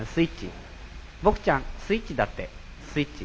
ぼくちゃんスイッチだってスイッチ。